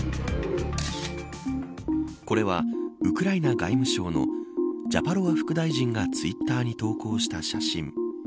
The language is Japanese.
これはウクライナ外務省のジャパロワ副大臣がツイッターに投稿した写真。